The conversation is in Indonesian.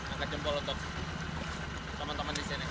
angkat jempol untuk teman teman di sini